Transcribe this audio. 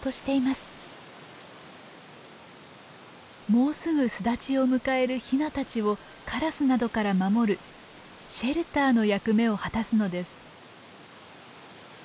もうすぐ巣立ちを迎えるヒナたちをカラスなどから守るシェルターの役目を果たすのです。